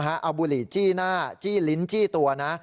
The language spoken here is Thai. เอาบุหรี่จี้หน้าจี้ลิ้นจี้ตัวนะ